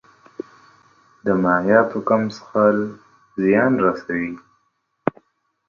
د مایعاتو کم څښل زیان رسوي.